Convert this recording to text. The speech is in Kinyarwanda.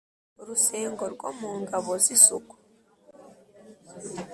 rusengo rwo mu ngabo z' isuku